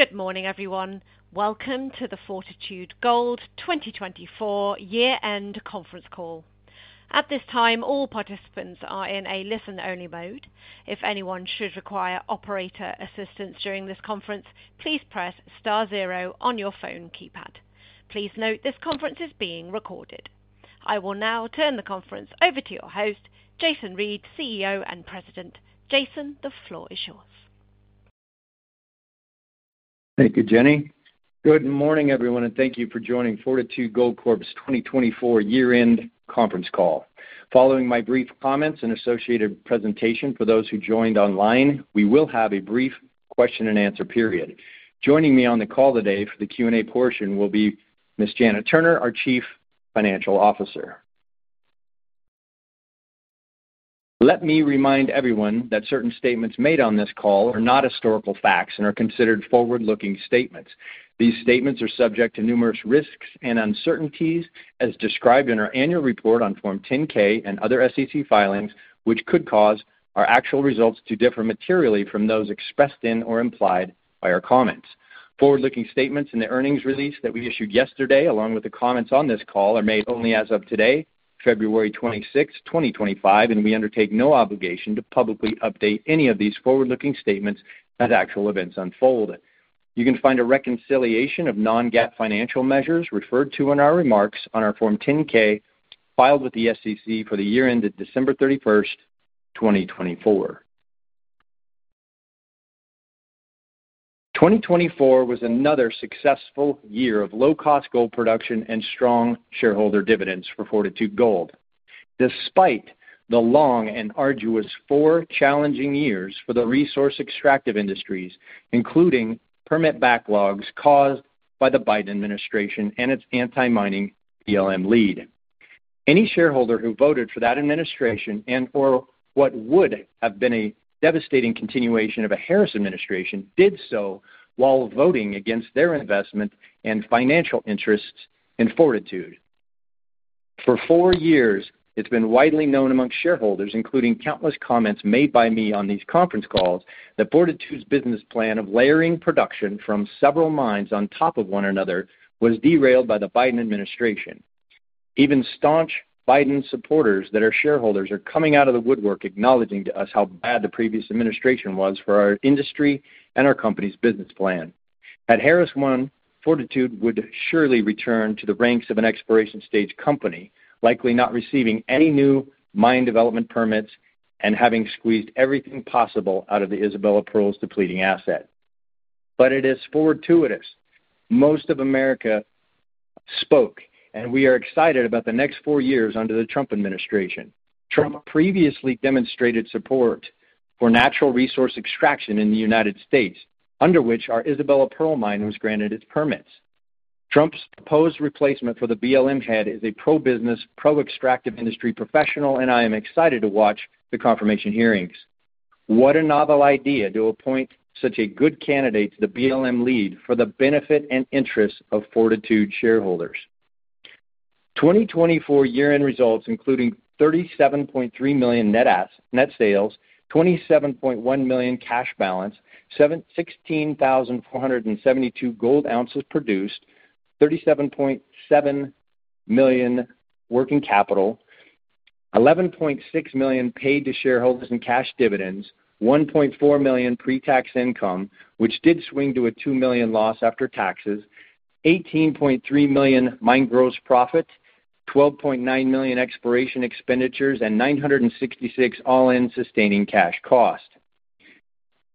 Good morning, everyone. Welcome to the Fortitude Gold 2024 year-end conference call. At this time, all participants are in a listen-only mode. If anyone should require operator assistance during this conference, please press star zero on your phone keypad. Please note this conference is being recorded. I will now turn the conference over to your host, Jason Reid, CEO and President. Jason, the floor is yours. Thank you, Jenny. Good morning, everyone, and thank you for joining Fortitude Gold Corp's 2024 year-end conference call. Following my brief comments and associated presentation for those who joined online, we will have a brief question-and-answer period. Joining me on the call today for the Q&A portion will be Ms. Janet Turner, our Chief Financial Officer. Let me remind everyone that certain statements made on this call are not historical facts and are considered forward-looking statements. These statements are subject to numerous risks and uncertainties, as described in our annual report on Form 10-K and other SEC filings, which could cause our actual results to differ materially from those expressed in or implied by our comments. Forward-looking statements in the earnings release that we issued yesterday, along with the comments on this call, are made only as of today, February 26, 2025, and we undertake no obligation to publicly update any of these forward-looking statements as actual events unfold. You can find a reconciliation of non-GAAP financial measures referred to in our remarks on our Form 10-K filed with the SEC for the year ended December 31, 2024. 2024 was another successful year of low-cost gold production and strong shareholder dividends for Fortitude Gold, despite the long and arduous four challenging years for the resource extractive industries, including permit backlogs caused by the Biden administration and its anti-mining BLM lead. Any shareholder who voted for that administration and for what would have been a devastating continuation of a Harris administration did so while voting against their investment and financial interests in Fortitude. For four years, it's been widely known amongst shareholders, including countless comments made by me on these conference calls, that Fortitude's business plan of layering production from several mines on top of one another was derailed by the Biden administration. Even staunch Biden supporters that are shareholders are coming out of the woodwork acknowledging to us how bad the previous administration was for our industry and our company's business plan. Had Harris won, Fortitude would surely return to the ranks of an exploration-stage company, likely not receiving any new mine development permits and having squeezed everything possible out of the Isabella Pearl's depleting asset. It is fortuitous. Most of America spoke, and we are excited about the next four years under the Trump administration. Trump previously demonstrated support for natural resource extraction in the United States, under which our Isabella Pearl mine was granted its permits. Trump's proposed replacement for the BLM head is a pro-business, pro-extractive industry professional, and I am excited to watch the confirmation hearings. What a novel idea to appoint such a good candidate to the BLM lead for the benefit and interest of Fortitude shareholders. 2024 year-end results, including $37.3 million net sales, $27.1 million cash balance, 16,472 gold ounces produced, $37.7 million working capital, $11.6 million paid to shareholders in cash dividends, $1.4 million pre-tax income, which did swing to a $2 million loss after taxes, $18.3 million mine gross profit, $12.9 million exploration expenditures, and $966 all-in sustaining cash cost.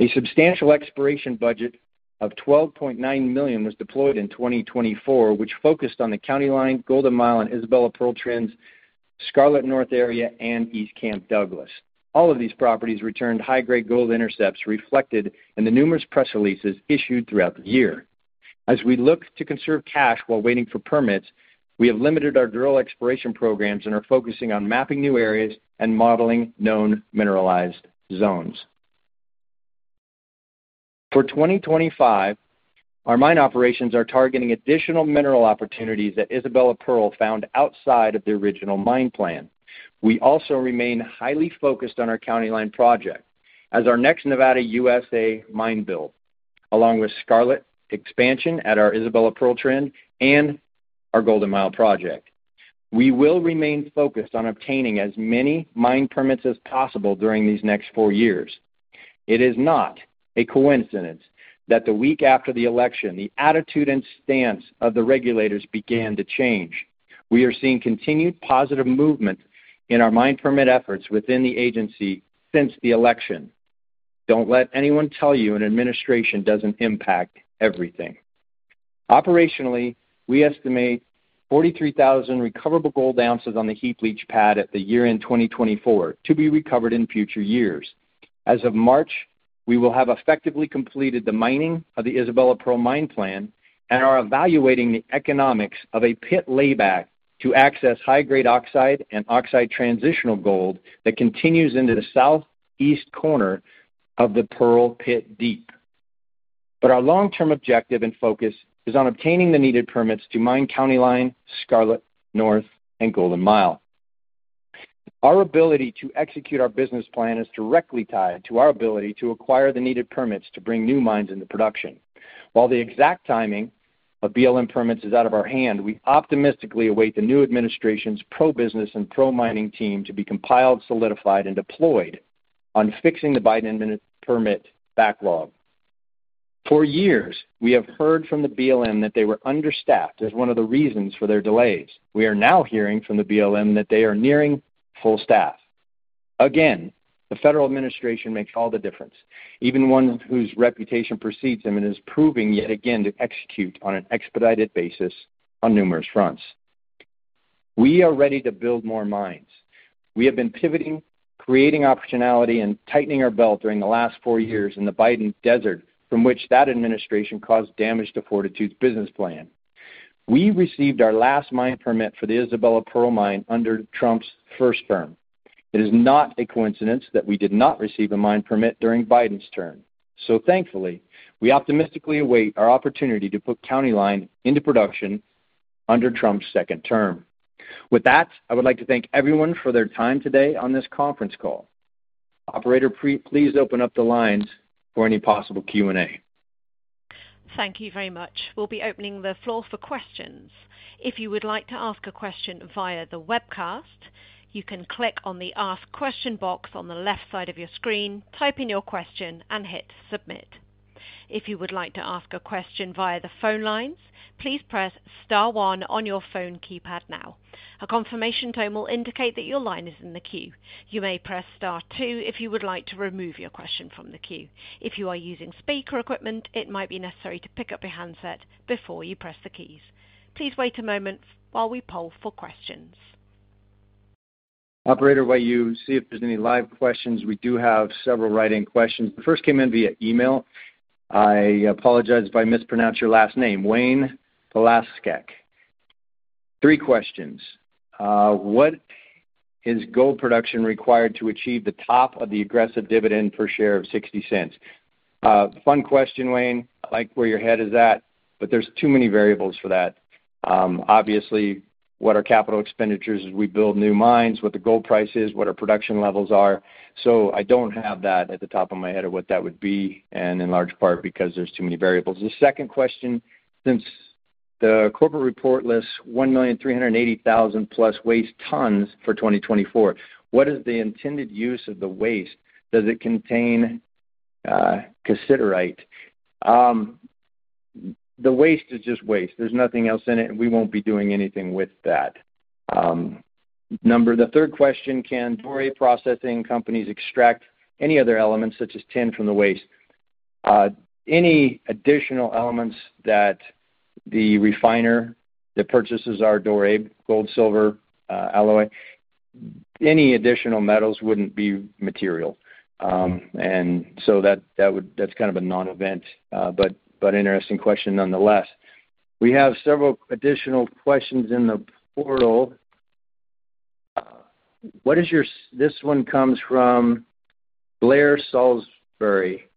A substantial exploration budget of $12.9 million was deployed in 2024, which focused on the County Line, Golden Mile, and Isabella Pearl Trend, Scarlet North area, and East Camp Douglas. All of these properties returned high-grade gold intercepts reflected in the numerous press releases issued throughout the year. As we look to conserve cash while waiting for permits, we have limited our drill exploration programs and are focusing on mapping new areas and modeling known mineralized zones. For 2025, our mine operations are targeting additional mineral opportunities that Isabella Pearl found outside of the original mine plan. We also remain highly focused on our County Line project as our next Nevada, USA mine build, along with Scarlet expansion at our Isabella Pearl Trend and our Golden Mile project. We will remain focused on obtaining as many mine permits as possible during these next four years. It is not a coincidence that the week after the election, the attitude and stance of the regulators began to change. We are seeing continued positive movement in our mine permit efforts within the agency since the election. Don't let anyone tell you an administration doesn't impact everything. Operationally, we estimate 43,000 recoverable gold ounces on the heap leach pad at the year-end 2024 to be recovered in future years. As of March, we will have effectively completed the mining of the Isabella Pearl mine plan and are evaluating the economics of a pit layback to access high-grade oxide and oxide transitional gold that continues into the southeast corner of the Pearl Pit Deep. Our long-term objective and focus is on obtaining the needed permits to mine County Line, Scarlet North, and Golden Mile. Our ability to execute our business plan is directly tied to our ability to acquire the needed permits to bring new mines into production. While the exact timing of BLM permits is out of our hand, we optimistically await the new administration's pro-business and pro-mining team to be compiled, solidified, and deployed on fixing the Biden permit backlog. For years, we have heard from the BLM that they were understaffed as one of the reasons for their delays. We are now hearing from the BLM that they are nearing full staff. Again, the federal administration makes all the difference, even one whose reputation precedes them and is proving yet again to execute on an expedited basis on numerous fronts. We are ready to build more mines. We have been pivoting, creating optionality, and tightening our belt during the last four years in the Biden desert from which that administration caused damage to Fortitude Gold's business plan. We received our last mine permit for the Isabella Pearl mine under Trump's first term. It is not a coincidence that we did not receive a mine permit during Biden's term. Thankfully, we optimistically await our opportunity to put County Line into production under Trump's second term. With that, I would like to thank everyone for their time today on this conference call. Operator, please open up the lines for any possible Q&A. Thank you very much. We will be opening the floor for questions. If you would like to ask a question via the webcast, you can click on the Ask Question box on the left side of your screen, type in your question, and hit Submit. If you would like to ask a question via the phone lines, please press star one on your phone keypad now. A confirmation tone will indicate that your line is in the queue. You may press star two if you would like to remove your question from the queue. If you are using speaker equipment, it might be necessary to pick up your handset before you press the keys. Please wait a moment while we poll for questions. Operator, while you see if there's any live questions, we do have several write-in questions. The first came in via email. I apologize if I mispronounced your last name, Wayne Pulasek. Three questions. What is gold production required to achieve the top of the aggressive dividend per share of $0.60? Fun question, Wayne. Like where your head is at, but there's too many variables for that. Obviously, what are capital expenditures as we build new mines, what the gold price is, what our production levels are? I don't have that at the top of my head of what that would be, and in large part because there's too many variables. The second question, since the corporate report lists 1,380,000+ waste tons for 2024, what is the intended use of the waste? Does it contain cassiterite? The waste is just waste. There's nothing else in it, and we won't be doing anything with that. The third question, can doré processing companies extract any other elements such as tin from the waste? Any additional elements that the refiner that purchases our doré gold, silver, alloy, any additional metals wouldn't be material. That's kind of a non-event, but interesting question nonetheless. We have several additional questions in the portal. This one comes from Blair Salisbury,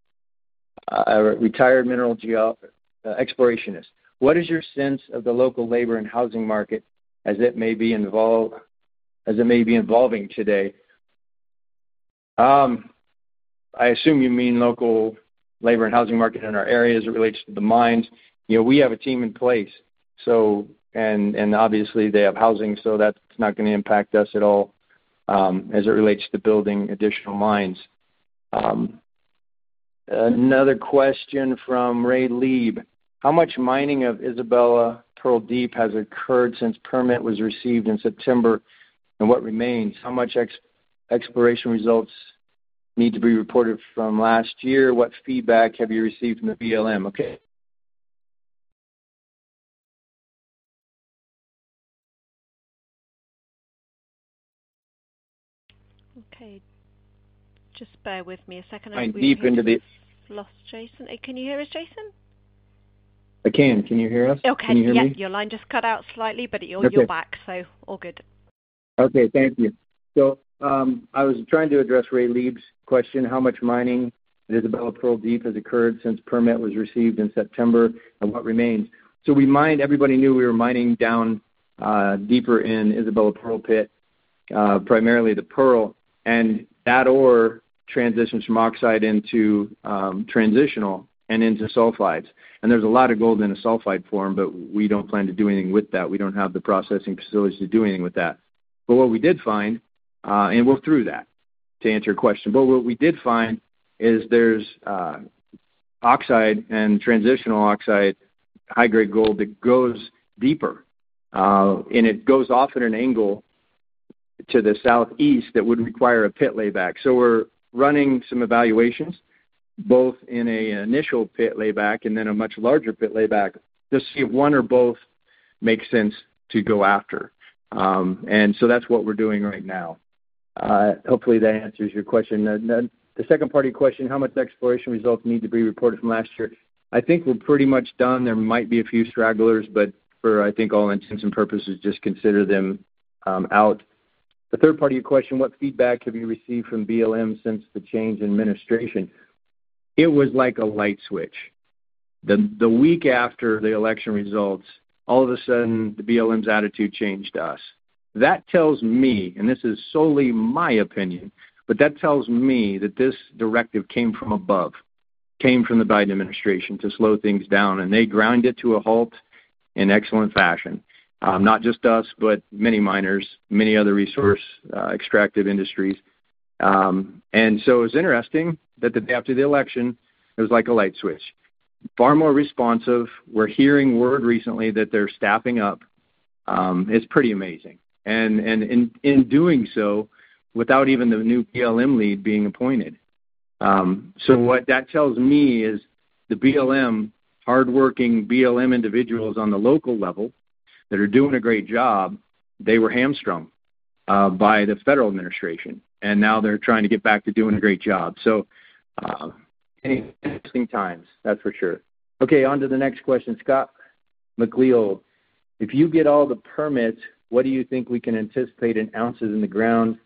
a retired mineral explorationist. What is your sense of the local labor and housing market as it may be evolving today? I assume you mean local labor and housing market in our area as it relates to the mines. We have a team in place, and obviously, they have housing, so that's not going to impact us at all as it relates to building additional mines. Another question from Reid Leib. How much mining of Isabella Pearl Deep has occurred since permit was received in September, and what remains? How much exploration results need to be reported from last year? What feedback have you received from the BLM? Okay. Okay. Just bear with me a second. I'm deep into the. Lost, Jason. Can you hear us, Jason? I can. Can you hear us? Okay. Can you hear me? Yeah. Your line just cut out slightly, but you're back, so all good. Okay. Thank you. I was trying to address Reid Leib's question, how much mining at Isabella Pearl Deep has occurred since permit was received in September, and what remains. We mined, everybody knew we were mining down deeper in Isabella Pearl Pit, primarily the pearl, and that ore transitions from oxide into transitional and into sulfides. There is a lot of gold in a sulfide form, but we do not plan to do anything with that. We do not have the processing facilities to do anything with that. What we did find, and I will go through that to answer your question, what we did find is there is oxide and transitional oxide, high-grade gold that goes deeper, and it goes off at an angle to the southeast that would require a pit layback. We're running some evaluations, both in an initial pit layback and then a much larger pit layback, to see if one or both makes sense to go after. That's what we're doing right now. Hopefully, that answers your question. The second party question, how much exploration results need to be reported from last year? I think we're pretty much done. There might be a few stragglers, but for, I think, all intents and purposes, just consider them out. The third party question, what feedback have you received from BLM since the change in administration? It was like a light switch. The week after the election results, all of a sudden, the BLM's attitude changed us. That tells me, and this is solely my opinion, but that tells me that this directive came from above, came from the Biden administration to slow things down, and they ground it to a halt in excellent fashion. Not just us, but many miners, many other resource extractive industries. It is interesting that the day after the election, it was like a light switch. Far more responsive. We're hearing word recently that they're staffing up. It's pretty amazing. In doing so, without even the new BLM lead being appointed. What that tells me is the BLM, hardworking BLM individuals on the local level that are doing a great job, they were hamstrung by the federal administration, and now they're trying to get back to doing a great job. Interesting times, that's for sure. Okay. On to the next question. Scott McLeod, if you get all the permits, what do you think we can anticipate in ounces in the ground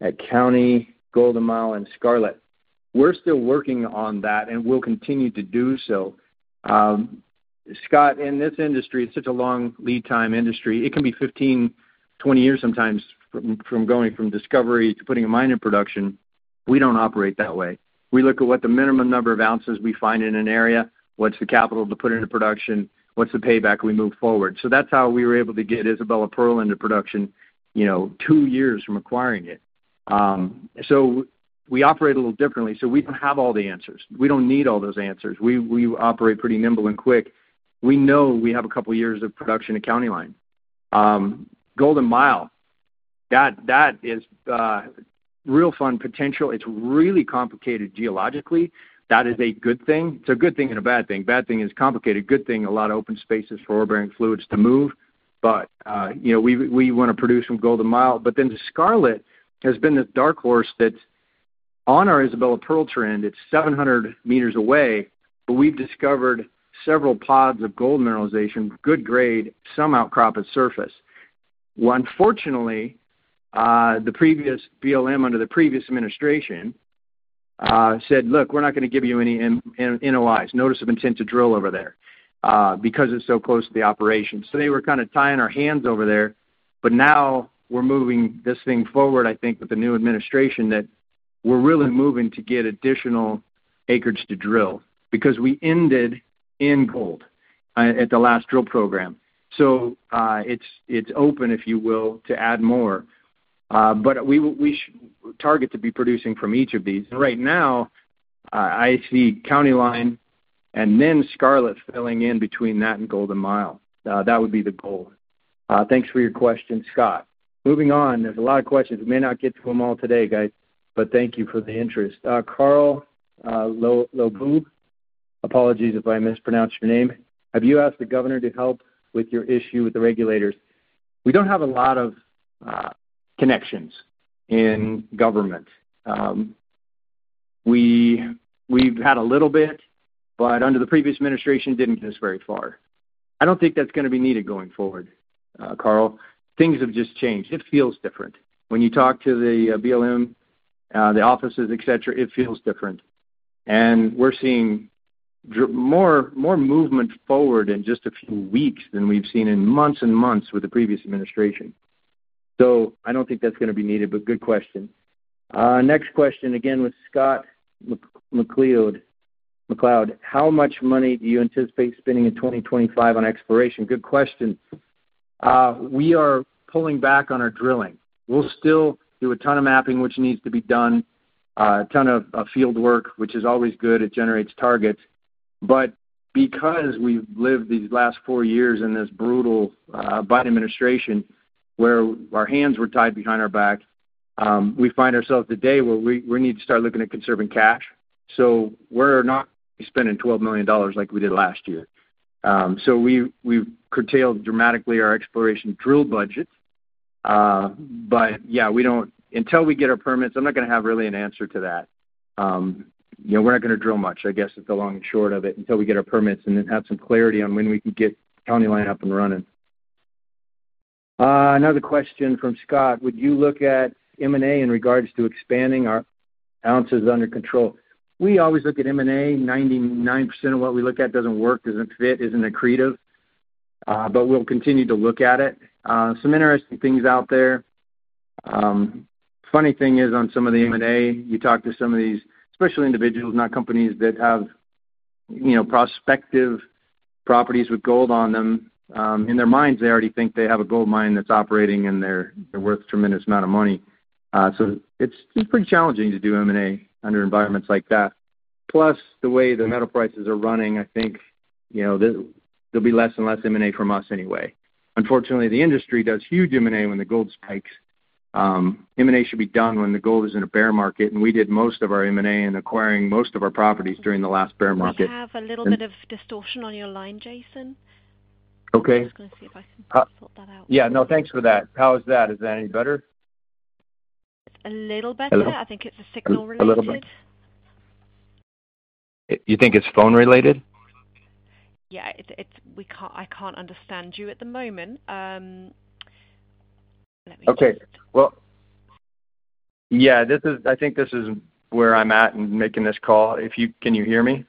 at County Line, Golden Mile, and Scarlet North? We're still working on that, and we'll continue to do so. Scott, in this industry, it's such a long lead-time industry. It can be 15, 20 years sometimes from going from discovery to putting a mine in production. We don't operate that way. We look at what the minimum number of ounces we find in an area, what's the capital to put into production, what's the payback we move forward. That is how we were able to get Isabella Pearl into production, two years from acquiring it. We operate a little differently. We don't have all the answers. We don't need all those answers. We operate pretty nimble and quick. We know we have a couple of years of production at County Line. Golden Mile, that is real fun potential. It's really complicated geologically. That is a good thing. It's a good thing and a bad thing. Bad thing is complicated. Good thing, a lot of open spaces for ore-bearing fluids to move. We want to produce from Golden Mile. The Scarlet has been the dark horse that's on our Isabella Pearl trend. It's 700 m away, but we've discovered several pods of gold mineralization, good grade, some outcrop at surface. Unfortunately, the previous BLM under the previous administration said, "Look, we're not going to give you any NOIs, Notice of Intent to Drill over there," because it's so close to the operation. They were kind of tying our hands over there, but now we're moving this thing forward, I think, with the new administration that we're really moving to get additional acreage to drill because we ended in gold at the last drill program. It's open, if you will, to add more. We target to be producing from each of these. Right now, I see County Line and then Scarlet filling in between that and Golden Mile. That would be the goal. Thanks for your question, Scott. Moving on, there's a lot of questions. We may not get to them all today, guys, but thank you for the interest. Carl LeBeau, apologies if I mispronounced your name. Have you asked the governor to help with your issue with the regulators? We don't have a lot of connections in government. We've had a little bit, but under the previous administration, didn't get us very far. I don't think that's going to be needed going forward, Carl. Things have just changed. It feels different. When you talk to the BLM, the offices, etc., it feels different. We're seeing more movement forward in just a few weeks than we've seen in months and months with the previous administration. I don't think that's going to be needed, but good question. Next question, again with Scott McLeod, McLeod, how much money do you anticipate spending in 2025 on exploration? Good question. We are pulling back on our drilling. We'll still do a ton of mapping, which needs to be done, a ton of field work, which is always good. It generates targets. Because we've lived these last four years in this brutal Biden administration where our hands were tied behind our back, we find ourselves today where we need to start looking at conserving cash. We're not spending $12 million like we did last year. We've curtailed dramatically our exploration drill budget. Until we get our permits, I'm not going to have really an answer to that. We're not going to drill much, I guess, at the long and short of it, until we get our permits and then have some clarity on when we can get County Line up and running. Another question from Scott. Would you look at M&A in regards to expanding our ounces under control? We always look at M&A. 99% of what we look at doesn't work, doesn't fit, isn't accretive. We'll continue to look at it. Some interesting things out there. Funny thing is, on some of the M&A, you talk to some of these, especially individuals, not companies that have prospective properties with gold on them. In their minds, they already think they have a gold mine that's operating, and they're worth a tremendous amount of money. So it's pretty challenging to do M&A under environments like that. Plus, the way the metal prices are running, I think there'll be less and less M&A from us anyway. Unfortunately, the industry does huge M&A when the gold spikes. M&A should be done when the gold is in a bear market, and we did most of our M&A in acquiring most of our properties during the last bear market. We have a little bit of distortion on your line, Jason. I'm just going to see if I can sort that out. Yeah. No, thanks for that. How is that? Is that any better? It's a little better. I think it's a signal-related. A little bit? You think it's phone-related? Yeah. I can't understand you at the moment. Let me just. Okay. Yeah, I think this is where I'm at in making this call. Can you hear me?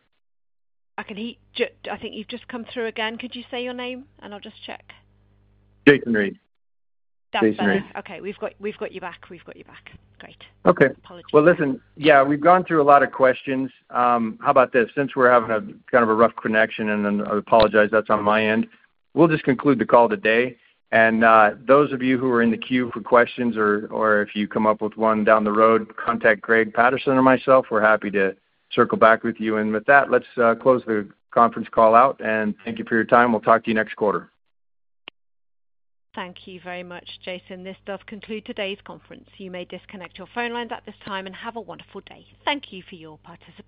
I think you've just come through again. Could you say your name, and I'll just check? Jason Reid. Okay. We've got you back. We've got you back. Great. Apologies. Yeah, we've gone through a lot of questions. How about this? Since we're having a kind of a rough connection, and I apologize, that's on my end. We'll just conclude the call today. Those of you who are in the queue for questions, or if you come up with one down the road, contact Greg Patterson or myself. We're happy to circle back with you. With that, let's close the conference call out, and thank you for your time. We'll talk to you next quarter. Thank you very much, Jason. This does conclude today's conference. You may disconnect your phone lines at this time and have a wonderful day. Thank you for your participation.